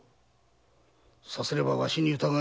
さすればわしに疑いが。